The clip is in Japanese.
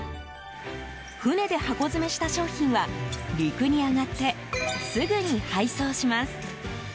船で箱詰めした商品は陸に上がってすぐに配送します。